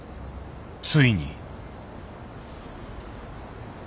ついに。